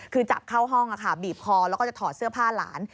คือจับเข้าห้องบีบคอแล้วก็จะถอดเสื้อผ้าหลาน